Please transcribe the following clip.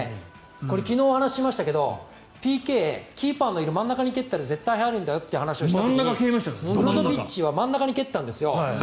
これ、昨日話しましたがＰＫはキーパーのいる真ん中に蹴ったほうが絶対に入るんだよっていう話をしたんですがブロゾビッチは真ん中に蹴ったんですよ。